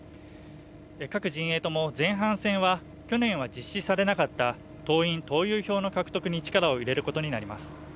各陣営とも前半戦は去年は実施されなかった党員・党友票の獲得に力を入れることになります